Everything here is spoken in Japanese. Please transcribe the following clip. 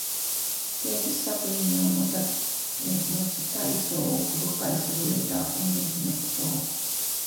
芸術作品のもつたいそう奥深くすぐれた趣のこと。